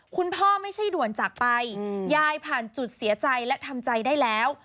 คุณพ่อไม่ใช่ด่วนจากไปยายผ่านจุดเสียใจและทำใจได้แล้ว